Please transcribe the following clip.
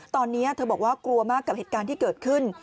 ตอนนี้เธอบอกว่ากลัวมากกับเหตุการณ์ที่เกิดขึ้น